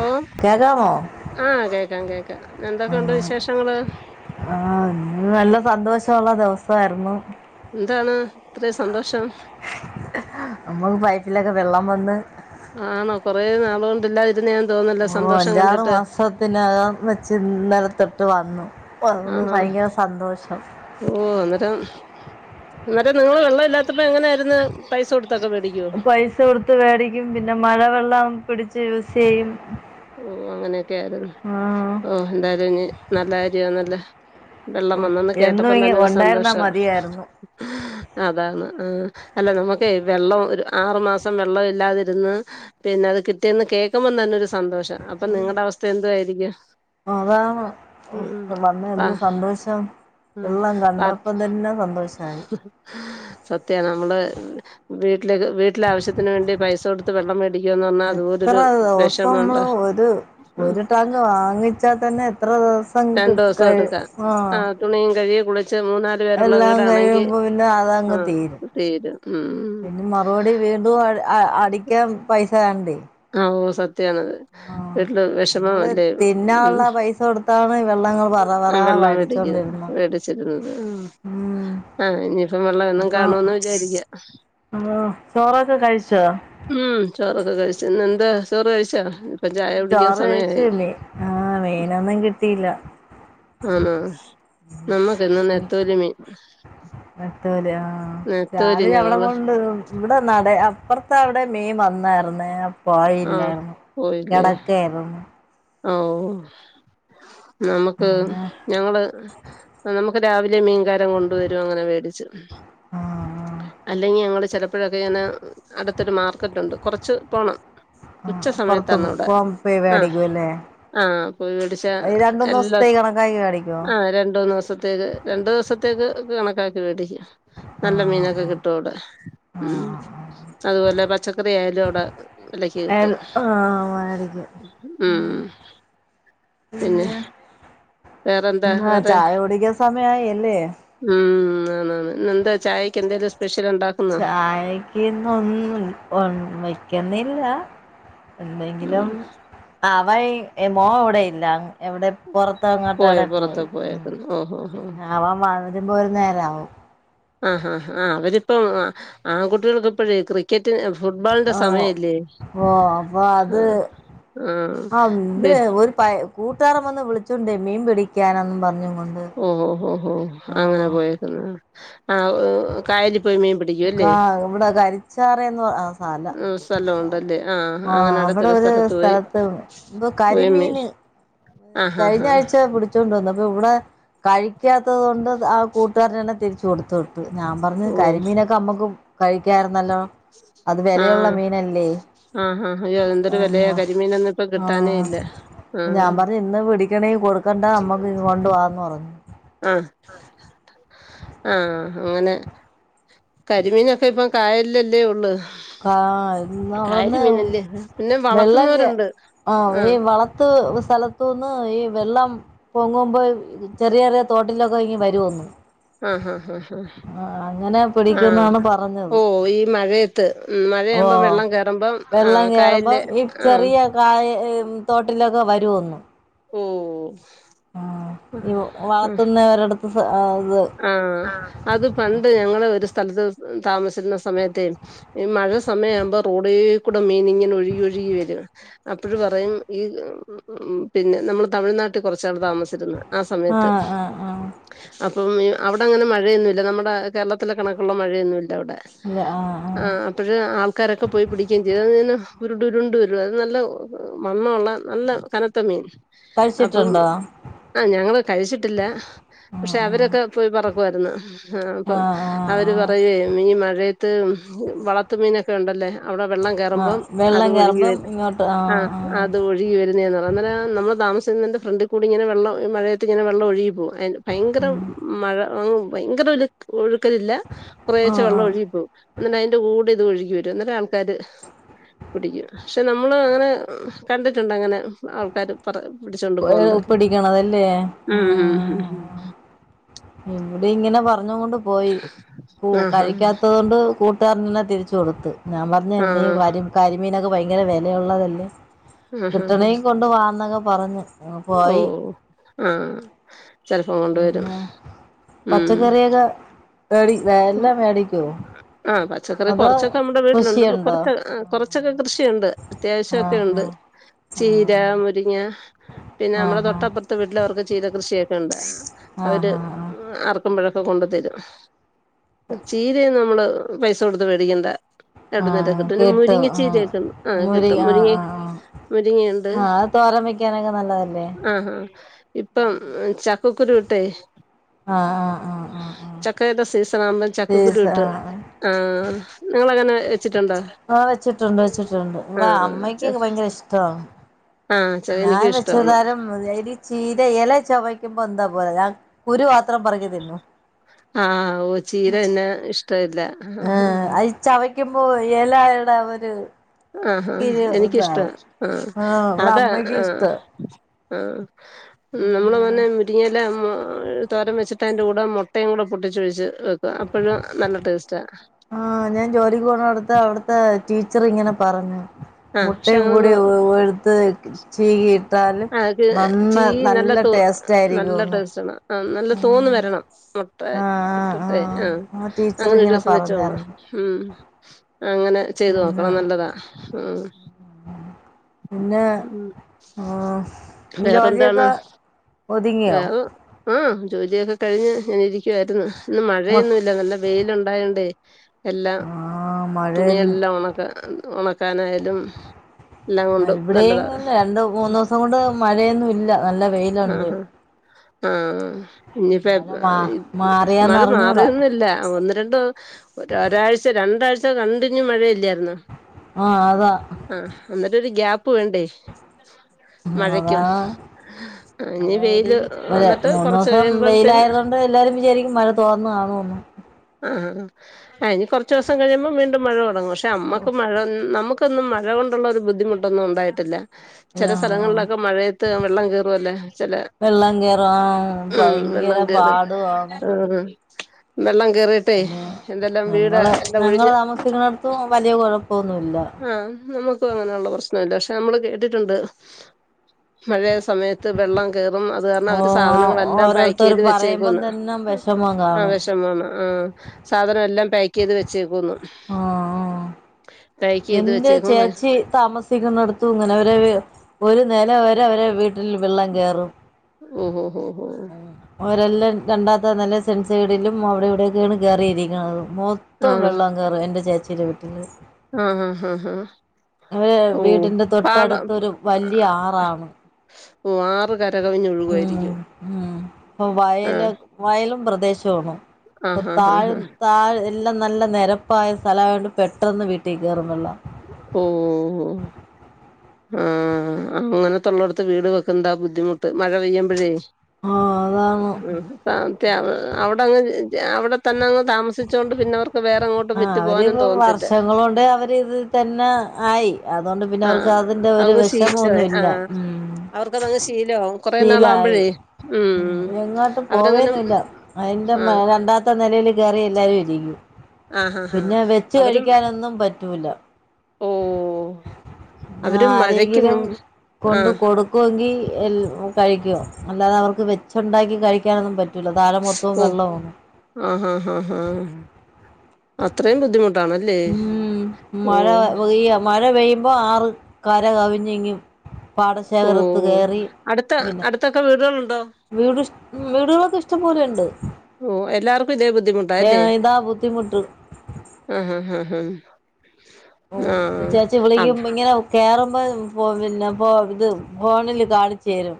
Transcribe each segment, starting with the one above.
ഓ കേക്കാമോ ആ കേക്കാം കേക്കാം എന്തൊക്കെണ്ട് വിശേഷങ്ങള് ആഹ് ഇന്ന്നല്ല സന്തോഷള്ള ദിവസവയിരുന്നു എന്താണ് ഇത്ര സന്തോഷം നമ്മക്ക് പൈപ്പിലൊക്കെ വെള്ളം വന്ന് ആണോ കൊറെേ നാളോണ്ട് ഇതില്ലാതിരുന്ന തോന്നുല്ലോ സന്തോഷം കണ്ടിട്ട് പിന്നകം വെച്ച് ഇന്നലെ തൊട്ട് വന്നു വന്ന് ആണോ ഭയങ്കര സന്തോഷം ഓ അന്നേരം ഇന്നട്ട് നിങ്ങള് വെള്ളം ഇല്ലാത്തപ്പോ എങ്ങനെ ആയിരുന്നു പൈസ കൊടുത്തൊക്കെ വേടിക്കോ പൈസ കൊടുത്ത് വേടിക്കും പിന്നെ മഴ വെള്ളം പിടിച്ച് യൂസിയ്യും ഓ അങ്ങനെയൊക്കെ ആയിരുന്നു ഓ എന്തായാലും നല്ല കാര്യോ നല്ല വെള്ളം വന്നന്ന് എന്നും കേട്ടപ്പം ഇങ്ങനെ തന്നെ ഒരു ഉണ്ടായിരുന്നാ സന്തോഷം മതിയായിരുന്നു അതാണ് ആ അല്ല നമുക്ക് വെള്ളം ഒരു ആറു മാസം വെള്ളം ഇല്ലാതിരുന്ന് പിന്നെ അത് കിട്ടിയന്ന് കേൾക്കുമ്പോം തന്നെ ഒരു സന്തോഷ അപ്പൊ നിങ്ങടെ അവസ്ഥ എന്തു ആയിരിക്കും അതാണ് വന്ന പ ഇന്ന്സന്തോഷം ഉം വെള്ളം പ കണ്ടപ്പോ തന്നെ സന്തോഷായി സത്യ നമ്മള് വീട്ടിലേക്ക് വീട്ടിലെ ആവശ്യത്തിന് വേണ്ടി പൈസ കൊടുത്ത് ത്ത് വെള്ളം മേടിക്കാന്ന് പറഞ്ഞാൽ അതുപോലൊരു ഇപ്പ വെഷമൊണ്ട് നമ്മള് ഒരു ഉം ഒരു ടാങ്ക് വാങ്ങിച്ചാൽ തന്നെ എത്ര ദിവസ രണ്ടു ദിവസം പങ്കിടുക്കായി എടുക്കാം ആഹ് തുണിയും കഴിയ കുളിച്ചേ മൂന്നാര് പേരുള്ള എല്ലാം വീടാണെങ്കിൽ കഴിയുമ്പോ പിന്നെ ആ അതങ്ങ് തീരും തീരും ഉം പിന്നെ മറുപടി വീണ്ടും അടിക്കാൻ പൈസ വേണ്ടെ ആഹാ ഓ സത്യാണത് വീട്ടില് വെഷമം നമ്മള് അല്ലെ തിന്നാനുള്ള പൈസ കൊടുത്താണ് വെള്ളങ്ങൾ പറ പറ ഉം വെള്ളം ടിക്ക്ന്ന് മേടിച്ചോണ്ടിരുന്ന വേടിച്ചിട്ട് ഉം ആഹ് ഇനിയിപ്പ വെള്ളം എന്നും കാണോന്ന് വിചാരിക്ക ആഹ് ചോറൊക്ക കഴ്ച്ചൊ ഉം ചോറൊക്ക കഴ്ച്ച് ഇന്നെന്ത ചോറ് കഴ്ച്ചൊ ചോറ് കഴിച്ച് ആഹ് മീനൊന്നും കിട്ടീല്ല ആണൊ നമ്മക്ക് ഇന്ന് നത്തോലി മീൻ നത്തോലിയൊ ആഹ് നെത്തോലി രാവിലെ അവടെ ഞങ്ങള് കൊണ്ട് ഇവടെ നടെ അപ്പർത്ത അവടെ മീൻ വന്നായ്ര്ന്ന് ആഹ് പോയില്ലാര്ന്ന് പോയില്ലേ കെടക്കായിര്ന്ന് ഓഹ് നമുക്ക് പിന്നെ ഞങ്ങള് നമുക്ക് രാവിലെ മീൻകാരം കൊണ്ടുവരും അങ്ങനെ മേടിച്ചു ആ അല്ലെങ്കി ഞങ്ങള് ചെ പ്പഴൊക്കെ ഇങ്ങനെ അട്ത്തൊര് മാർക്കറ്റുണ്ട് കൊറച്ച് പോണം ആ ഉച്ച പുറത്ത് സമയത്തണവടെ പോകാൻ പോയി ആഹ് മേടിക്കുംല്ലേ ആഹ് പോയി വേടിച്ച രണ്ട് മൂന്ന് എല്ലാ ദിവസത്തേക്ക് കണക്കാക്കി മേടിക്കുവോ ആഹ് രണ്ടൂന്ന്സത്തേക്ക് രണ്ട് ദിവസത്തേക്ക് കണക്കാക്കി വേടിക്ക ആ നല്ല മീനൊക്ക കിട്ടുവടെ ആ ഉം അതുപോലെ പച്ചക്കറി ആയാലും അവടെ [inaudible] ആഹ് വയറ്ബ് ഉം പിന്നെ വേറെന്താ പിന്നെ ആഹ് വേറെ ചായ കുടിക്ക സമയായി അല്ലെ ഉം ആണ് ആണ് ഇന്നെന്ത ചായക്ക് എന്തേലും സ്പെഷ്യല് ഇണ്ടാ ചായക്ക് ഇന്ന് ഒന്നും ഒന്ന് വെക്ക്ന്നില്ല ഉം എന്തെങ്കിലും അവയ് മോ ഇവടയില്ല എവടെ പോയോ പൊറത്ത്ങ്ങോട്ടവടെ പുറത്ത് പോയി പോയേക്കുന്നു ഓഹോ ഹോ പിന്ന ആവാൻ വ വരുമ്പൊ ഒര് നേരാവും ആഹ് ആഹ് ആഹ് അവരിപ്പം ആ കുട്ടീകൾക്കിപ്പഴെ കെട്ടി ഫുട്ബോളിന്റെ സമയല്ലെ ഓ അപ്പൊ അത് ആഹ് ആഹ് കൂട്ടുകാര വന്ന് വിളിച്ചൊണ്ടൊയ് മീൻ വേടിക്കാനാന്നു പർഞ്ഞു ഊം ഉം ഓഹ് ഹോ അങ്ങനെ പോയേക്കുന്നാ പിടിക്കും അല്ലേ കാ ഇവടെ കരിച്ചാറ്ന്ന് പറ അ മല ഉം സ്ഥലം ഉണ്ടല്ലേ ആഹ് അങ്ങനെ അവടെ അടുത്തൊരു ഒരാ പോയി സ്ഥലത്ത് ഇപ്പൊ പോയി മീൻ കരിമീന് ആഹ് ആഹ് ആഹ് കഴിഞ്ഞാഴ്ച പുടി ച്ചോണ്ട് വന്നു അപ്പൊ ഇവടെ കഴിക്കാത്തതോണ്ട് ആഹ് കൂട്ടുകാരനെന്നെ തിരിച്ച് കൊട്ത്തു. ഞാ പറഞ്ഞു ഓഹ് കരിമീനൊക്ക നമ്മുക്ക് കഴിക്കായിരുന്നല്ലോ. അത് വെലയുള്ള മീനല്ലെ ആഹ്ഹാ അയ്യൊ എന്തൊരു വെലേയ കരിമീനൊന്നും ഇപ്പ കിട്ടാനെ ഇല്ല. ഞാ ആഹ് പറയി ഇന്ന് പിടിക്കണേ കൊടുക്കണ്ട നമ്മക്ക് കൊണ്ടവാന്ന് പറഞ്ഞു. ആഹ് ആഹ് അങ്ങനെ കരിമീനൊക്ക ഇപ്പൊ കായൽലല്ലെ ഉള്ള്. ആഹ് അവിടന്ന് പിന്നെ വെള്ളങ്കെ വളർത്തുന്നവരുണ്ട് ആഹ് ഈ വള ത്ത് സ്ഥലത്തൂന്ന് ഈ വെള്ളം പൊങ്ങുമ്പൊ ചെറിയ ചെറിയ തോട്ടിലൊക്കെ ഇങ്ങ് വരോന്ന് ആഹ് ആഹ് ആഹ് ആഹ് അങ്ങനെ പിടിക്കുന്നാണ് പറഞ്ഞത്. പൊരി മഴെ ഓഹ് വെള്ളം ആഹ് കേറുമ്പൊ കായലില് ഈ ആഹ് ചെറിയ കായ ഏഹ് തോട്ടിലൊക്ക വരോന്ന് ഉം ആഹ് ഈ വളത്ത്ന്നവരട്ത്ത് ഇത് ആഹ് അത് പണ്ട് ഞങ്ങള് ഒരു സ്ഥലത്ത് താമസിക്കുന്ന സമയത്തേ ഈ മഴ സമയാവുമ്പോ റോഡീ കൂടെ മീന്ങ്ങനെ ഒഴുകിഴുകി വരും. അപ്പഴ് പറയും ഈ ഉം പിന്നെ നമ്മൾ തമിഴ്നാ ട്ട് കൊറച്ചാള് താമസിച്ചിരുന്ന് ആഹ് സമയത്ത് ആഹ് ആഹ് അ പ്പം അവിടെങ്ങനെ മഴയൊന്നുല്ല നമ്മുടെ കേരളത്തിലെ കണക്കുള്ള മഴയൊന്നുല്ല അവടെ ഇല്ല ആഹ് ആഹ് അപ്പഴ് ആൾക്കാരൊക്കെ പോയി പിടിക്കും ചെയ്തു അന്നെ ഉരുണ്ടുരുണ്ട് വരും അത് നല്ല മണ്ണുള്ള നല്ല കനത്ത മീൻ അപ്പ കഴിച്ചിട്ടുണ്ടോ ആഹ് ഞങ്ങൾ കഴിച്ചിട്ടില്ല ഉം പക്ഷെ അവര് ക്കെ ഉം പോയി പെറുക്കുവായിരുന്നു അപ്പൊ ആഹ് ആഹ് അവര് ആഹ് പറയോയ് ഈ മഴേത്ത് വള ത്തുമീനൊക്കെണ്ടല്ലേ അവടെ വെള്ളം ആഹ് കേറുമ്പം അത് വെള്ളം ഒഴുകി കേറുമ്പം വരും ഇങ്ങോട്ട് ആഹ് അത് ഒഴുകി വരുന്നേ പറ അന്നേരം നമ്മള് താമസിക്കുന്ന അന്റെ ഫ്രണ്ട് കൂടി ഇങ്ങനെ വെള്ളം ഈ മഴെത്ത്ങ്ങെനെ വെള്ളം ഒഴുകി പോവും. അഹ് ഭയങ്കര ഉം മഴ അഹ് ഭയങ്കര ഒല ഒഴുക്കലില്ല കുറെച്ചെ ആഹ് വെള്ളം ആഹ് ഒഴുകി പോവും ന്ന്ട്ട അയ്ന്റെ കൂടിത് ഒഴുകി വരും എന്നിട്ടാൾക്കാര് പുടിക്കും പക്ഷെ നമ്മള് അങ്ങനെ കണ്ടിട്ടുണ്ട് അങ്ങനെ ആൾക്കാര് പറ പിടിച്ചോണ്ട് പോക്ന്നതൊക്കെ പിടിക്കണതല്ലേ ഉം ഉം ഉം ഇവിടീങ്ങനെ പറഞ്ഞ് കൊണ്ട് പോയി ആഹാ കഴിക്കാത്തത് കൊണ്ട് കൂ ഇത്ത പറഞ്ഞനെ തിരിച്ച് കൊടുത്തു ഞാൻ പറഞ്ഞ് എന്നീ ആഹ് കരി കരിമീനൊക്കെ ഭയങ്കര വെലയുള്ളതല്ലേ. ആഹ് ആഹ് കിട്ടണെങ്കി കൊണ്ട് വാന്നൊക്കെ പറഞ്ഞു ഓ ആഹ് ചെലപ്പോം കൊണ്ടുവരും പിന്നെ ഉം പച്ചക്കറിയൊക്കെ മേടി എല്ലാം മേടിക്കോ ആഹ് പച്ചക്കറി അതോ കൊറച്ചൊക്കെ നമ്മടെ വീട്ടിലുണ്ട് കൃഷിയുണ്ടോ കുറച്ച് ആഹ് കൊറച്ചൊക്കെ കൃഷിയുണ്ട് അത്യാവശ്യക്കെണ്ട് ആഹ് ചീര ആഹ് മുരിങ്ങ പിന്നെ ആഹ് നമ്മടെ ആഹ് ആഹ് തൊട്ടപ്പറത്ത് വീട്ടില് അവർക്ക് ചീര കൃഷിയൊക്കെണ്ട് അവര് ആഹ് ആഹ് ആഹ് ഉം അർ ക്കുമ്പോഴൊക്കെ കൊണ്ട് തരും ചീരയൊന്നും നമ്മള് പൈസ കൊടുത്ത് വേടിക്കണ്ട എവിടുന്നേര ആഹ് കിട്ടും പിന്നെ കേട്ടു ആഹ് മുരിങ്ങച്ചേരിക്കെ ആഹ് മുരി കിട്ടും ആഹ് മുരിങ്ങെ ആഹ് ആഹ് മുരിങ്ങേണ്ട് ആഹ് അത് തോരൻ വെക്കാനൊക്കെ നല്ലതല്ലേ ആഹാ ഇ പ്പം ചക്കക്കുരുട്ടെയ് ആഹ് ആഹ് ആഹ് ആഹ് ആഹ് ക്കേടെ സീസണാകുമ്പോം ചക്കക്കുരു സീസ വിട്ട് ആഹ് ആഹ് നിങ്ങളങ്ങനെ വെച്ചിട്ടുണ്ടോ? ആഹ് വെച്ചിട്ടുണ്ട് വെച്ചിട്ടുണ്ട് ആ ഇവ്ടെ ച അമ്മക്കൊക്കെ ഭയങ്കര ഇഷ്ടാ ആ ച ഞാൻ എനിക്കും വെച്ച ഇഷ്ടമാണ് തരംരി ചീര ഇല ചവയ്ക്കുമ്പോ എന്താ പോലെ ഞാൻ കുരു മാത്രം പറക്കി തിന്നു ആഹ് ഓ ചീരന്നെ ഇഷ്ടമല്ല ആഹ് അത് ചവയ്ക്കുമ്പോ ഈ ഏലട ഒരു ആഹഹാ കിഴി എനിക്കിഷ്ടാ ഇതാവും ആഹാ ആഹ് ഇവിടെ അതാ അമ്മയ്ക്ക് ആഹാ ഇഷ്ടാ ആഹ് നമ്മള പിന്നെ മന്നെരിങ്ങ ഇല്ല തോരം വെച്ചിട്ട് അതിന്റെ കൂടെ മുട്ടയും കൂടെ പൊട്ടിച്ചൊഴിച്ച് വെക്കും അപ്പോഴും നല്ല ടേസ്റ്റാ ആഹ് ഞാൻ ജോലിക്ക് പോണ അടുത്ത് അവിടുത്തെ ടീച്ചർ ഇങ്ങനെ പറഞ്ഞു ആ പക്ഷെ മുട്ടയും കൂടി അങ്ങനൊന്നും എടുത്ത് ചീകി ആക്ക് ചീകി നല്ല തോ ടേസ്റ്റ് നല്ല ആയിരിക്കുംന്ന് ട്രസ്റ്റ് ആണ് ആഹ് നല്ല തോന്ന വരണം ആഹ് ആഹ് എട്ടട്ടേ ആഹ് ആ ടീച്ചർ അങ്ങനെ ഒരു ഇങ്ങനെ ദിവസം വെച്ചോണ പറഞ്ഞായിരുന്നു ഉം അങ്ങനെ ചെയ്ത് പിന്നെ നോക്കണം നല്ലതാ ഉം പിന്നെ ഉം വേറെന്താണ് ജോലിയൊക്കെ ഒതുങ്ങിയോ വേറെ ആഹ് ജോലിയൊക്കെ കഴിഞ്ഞ് ഞാന ഇരിക്കുവായിരുന്നു ഇന്ന് മഴയൊന്നുമല്ല നല്ല വെയില ഉണ്ടായണ്ടേ എല്ലാം ആഹ് മഴയൊന്ന് തുണിയെല്ലാം ഉണക്കെ ഉണക്കാനായാലും എല്ലാം കൊണ്ടും ഇവിടെയും നല്ലതാണ് രണ്ട് മൂന്നു ദിവസം കൊണ്ട് മഴയൊന്നും ഇല്ല നല്ല വെയിലുണ്ട് ആഹ് ഇനിയിപ്പ മഴ മാ മഴ മാറിയാന്ന് അറിഞ്ഞൂടാ മാറിയന്നില്ല ഒന്ന് രണ്ട് ഒ ഒരാഴ്ച രണ്ടാഴ്ച കണ്ടിന്യൂ മഴയില്ലായിരുന്നോ ആഹ് അതാ ആഹ് അന്നിട്ടൊരു ഗ്യാപ്പ് വേണ്ടേ മഴക്കും അതാണ് ആഹ് ഇനി വെയ അതായിരിക്കും മൂന്ന് ദിവസം വെയില ആയതു കൊണ്ട് എല്ലാരും വിചാരിക്കും മഴ തോന്നു കാണുന്നു ആഹ് ആഹ് ഇനി കുറച്ച് ദിവസം കഴിയുമ്പം വീണ്ടും മഴ തുടങ്ങും പക്ഷേ നമ്മുക്ക് മഴ നമുക്ക് ന്നും മഴ കൊണ്ടുള്ള ഒരു ബുദ്ധിമുട്ടൊന്നും ഉണ്ടായിട്ടില്ല ചില എല്ലാ സ്ഥലങ്ങളിലൊക്കെ മഴയത്ത് വെള്ളം കയറുംല്ലേ ചില വെള്ളങ്കരം ഭയങ്കര കേറി പാടുവാണ് ആഹ് വെള്ളം കറി യട്ടെ പിന്നെ എന്തെല്ലാം വീട് ഞങ്ങള് എല്ലാം ഞങ്ങള് ഒഴിഞ്ഞഞ് താമസിക്കുന്നിടത്തും വലിയ കുഴപ്പൊന്നുല്ല ആഹ് നമുക്ക് അങ്ങനെയുള്ള പ്രശ്നല്ല പക്ഷെ നമ്മള് കേട്ടിട്ടുണ്ട് മഴയ സമയത്ത് വെള്ളം [unintelligible] അത് കാരണം ഓ അവര് സാധനങ്ങളെല്ലാം പാക്ക് ഓരോരുത്തർ ചെയ്ത് പറയുമ്പം വെച്ചേക്കുന്നു തന്നെ വിഷമം ആഹ് കാണും വിശന്ന് ആഹ് സാധനം എല്ലാം പാക്ക് ചെയ്ത് വെച്ചേക്കുന്നു ആഹ് ആഹ് പാക്ക് ചെയ്ത് എന്റെ വെച്ചേക്കും ഭയ ചേച്ചി താമസ ക്കുന്ന എടുത്തു ഇങ്ങനെ അവരെ ഒരു നില വരെ അവരെ വീട്ടിൽ വെള്ളം കേയറും ഉം ഉം ഉം ഉം അവരെല്ലാം രണ്ടാത്ത നെല സെൻസൈഡിലും അവിടെ ഇവിടെയൊക്കെയാണ് കയറിയിരിക്കുന്നത് മൊത്തം ആണോ വെള്ളം കയറും എൻ്റെ ചേച്ചീടെ വീട്ടിൽ ആഹ് ആഹ് ആഹ് അഹ് അവര് വീടിന്റെ തൊട്ടടുത്തരു വലിയ ആറാണ് ഓ ആറ് ഉം കരകവിഞ്ഞൊഴുകുമായിരിക്കും ഉം ആ വയൽ വയലും പ്രദേശമാണ് ആ ഇപ്പൊ ഹാ ഹാ താഴ് ഹാ താഴ് എല്ലാം നല്ല നിരപ്പായ സ്ഥലണ്ട് പെട്ടെന്ന് വീട്ടിൽ കയറുമ്പള്ള ഓ ആഹ് അങ്ങനെ തള്ളടത്ത് വീട് വെക്ക എന്താ ബുദ്ധിമുട്ട് മഴ പെയ്യുമ്പോഴേ ആഹ് അതാണ് ഉം സത് അവിടെങ്ങ് അവിടെ തന്നെ അങ്ങ് താമസിച്ചോണ്ട് പിന്നെവർക്ക് ആഹ് അവര്പ്പ വർഷങ്ങൾ കൊണ്ട് അവര് ഇത് തന്നെ ആയി അതുകൊണ്ട് പിന്നെ അവർക്ക് ആഹ് അത് അന്റെ ഒരു അവർക്ക് ശീലമായി വിഷമംന്നും ഇല്ല ആഹ് ഉം അവർക്കതങ്ങ് ശീലമാവും കൊറേ ശീലായീ നാളാകുമ്പോഴേ ഉം എങ്ങോട്ട് അവരങ്ങനെ പോവേന്നൂല്ല. അതിന്റെ ആഹ് മേല് രണ്ടാമത്തെ നെലേൽ കേറി എല്ലാരും ഇരിക്കും. ആഹ് ആഹ് ആഹ് പിന്നെ വെച്ച് കഴിയ്ക്കാനൊന്നും പറ്റൂല. ഉം ആരേങ്കിലും കൊണ്ടു ആഹ് കൊടുക് ക്കുവെങ്കീ എൽ കഴിക്കുക അല്ലാതെ അവർക്ക് വെച്ചൊണ്ടാക്കി കഴിക്കാനൊന്നും പറ്റ് [unintelligible] താഴെ മൊത്തവും ഓഹ് വെള്ളമാന്ന് ആഹ് അഹ് അഹ് ആഹ് അത്രയും ബുദ്ധിമുട്ടാ ഉം മഴ പെയ്യുവാ മഴ പെയ്യുമ്പോ ആറ് കര കവിഞ്ഞിങ്ങ് പാടശേഖരത്ത് കേറീ പിന്നെ ത്തൊക്കെ വീടുകളുണ്ടോ? വീട്ഷ് വീടുകളൊക്കെ ഇഷ്ടംപോലെയുണ്ട്. ഓഹ് എല്ലാവർക്കും ഇതേ ബുദ്ധിമുട്ടാ ഏഹ് അല്ലേ ഇതാ ബുദ്ധിമുട്ട്. ആഹ് ആഹ് അഹ് ആഹ് ആഹ് ചേച്ചി ആഹ് വിളിക്കുമ്പ ഇങ്ങനെ കേറുമ്പം പോ പിന്നെ പോ ഇത് ഫോണില് കാണിച്ചു തരും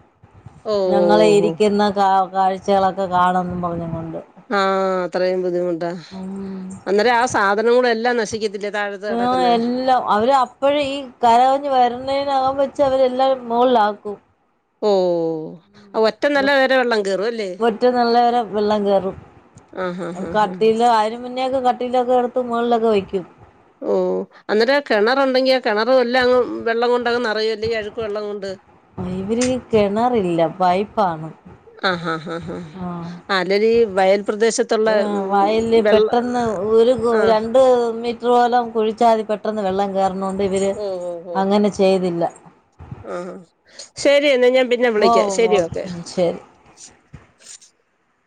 ഓ ഞങ്ങളെ ഓ ഇരിക്കുന്ന കാ കാഴ്ചകളൊക്കെ കാണു വെന്നും പറഞ്ഞും കൊണ്ട് ആഹ് അത്രയും ബുദ്ധിമുട്ടാ ഉം അന്നരം ആഹ് സാധനങ്ങളെല്ലാം നശിക്കത്തില്ലേ താഴത് ഓ എൽ ല്ല അവര് അപ്പഴ് ഈ കരകവിഞ്ഞ് വരുന്നേനകം വെച്ച് അവരെല്ലാം മുകളിലാക്കും. ഓ ഒറ്റ [unintelligible] നില വരെ വെള്ളം കേറും അല്ലേ മുറ്റ നല്ലവരെ വെള്ളം കേറും. ആഹ് ആഹ് ആഹ് ആഹ് കട്ടില് അതിന് മുന്നേയൊക്കെ കട്ടിലൊക്കെ എടുത്ത് മോളിലൊക്കെ വെയ്ക്കും. മ് എന്നട്ട് ആ കെണറൊണ്ടെങ്കി ആ കെണറും എല്ലാമങ്ങ് വെള്ളം കൊണ്ടങ്ങ് നെറയുമല്ലോ ഈ അഴുക്ക് വെള്ളം കൊണ്ട് ഇവര് ഈ കെണറില്ല പൈപ്പാണ്. ആഹ് ആഹ് ആഹ് ആഹ് അല്ലേലും ഈ വയൽ പ്രദേശത്ത് വയലില് ഈ പെട്ടെന്ന് ഒരു [unintelligible] ആഹ് രണ്ട് മീ [unintelligible] കുഴിച്ചാ മതി പെട്ടെന്ന് വെള്ളം കേറുന്നോണ്ട് ഇവര് അങ്ങനെ ചെയ്തില്ല. ആ ശരി എന്നാ ഞാൻ പിന്നെ ഓ വിളിക്കാം ഓ ശരി ഓക്കെ ശരി